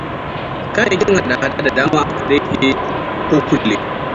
Kayakiin haɗa-haɗa da dama aka rege ko kulle.